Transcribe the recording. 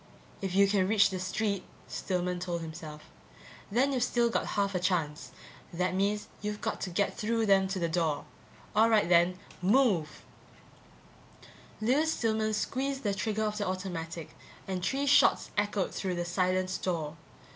If you can reach the street, Stillman told himself, then you've still got half a chance. That means you've got to get through them to the door. All right then, move. Lewis Stillman squeezed the trigger of the automatic and three shots echoed through the silent store.